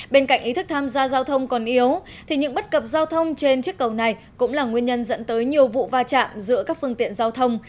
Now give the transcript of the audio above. bên cạnh ý thức tham gia giao thông còn yếu thì những bất cập giao thông trên chiếc cầu này cũng là nguyên nhân dẫn tới nhiều vụ va chạm giữa các phương tiện giao thông